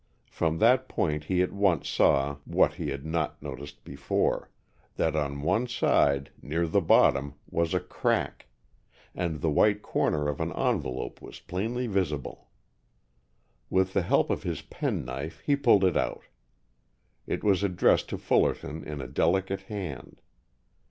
From that point he at once saw what he had not noticed before, that on one side, near the bottom, was a crack, and the white corner of an envelope was plainly visible. With the help of his penknife he pulled it out. It was addressed to Fullerton in a delicate hand.